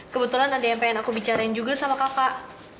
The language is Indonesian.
kebetulan ada yang pengen aku bicara juga sama kakak